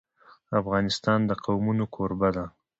افغانستان د قومونه کوربه دی.